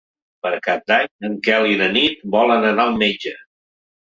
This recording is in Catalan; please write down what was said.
Per Cap d'Any en Quel i na Nit volen anar al metge.